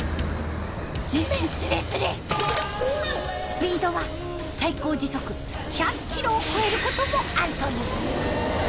スピードは最高時速１００キロを超える事もあるという。